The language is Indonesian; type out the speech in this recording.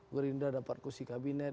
gerindra dapat kursi kabinet